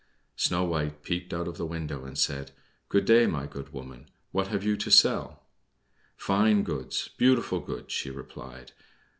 Snow White peeped out of the window and said, "Good day, my good woman; what have you to sell?" "Fine goods, beautiful goods!" she replied.